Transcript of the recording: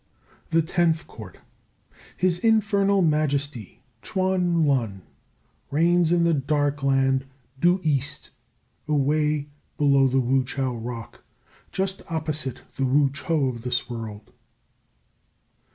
THE TENTH COURT. His Infernal Majesty, Chuan Lun, reigns in the Dark Land, due east, away below the Wu chiao rock, just opposite the Wu cho of this world.